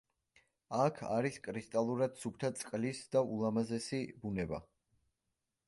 აქ არის კრისტალურად სუფთა წყლის და ულამაზესი ბუნება.